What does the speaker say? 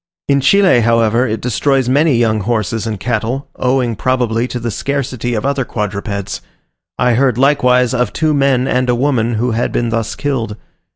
In Chile, however, it destroys many young horses and cattle, owing probably to the scarcity of other quadrupeds: I heard, likewise, of two men and a woman who had been thus killed.